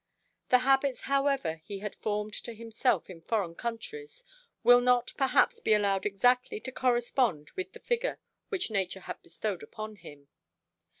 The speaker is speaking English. The habits however he had formed to himself in foreign countries, will not perhaps be allowed exactly to correspond with the figure which nature had bestowed upon him.